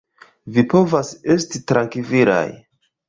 Vi povas esti trankvilaj.